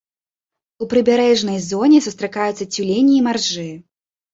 У прыбярэжнай зоне сустракаюцца цюлені і маржы.